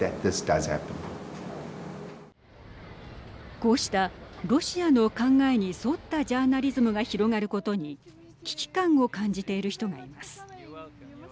こうしたロシアの考えに沿ったジャーナリズムが広がることに危機感を感じている人がいます。